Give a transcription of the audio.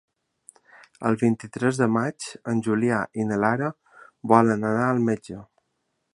El vint-i-tres de maig en Julià i na Lara volen anar al metge.